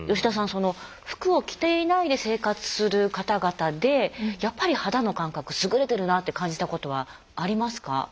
その服を着ていないで生活する方々でやっぱり肌の感覚優れてるなって感じたことはありますか？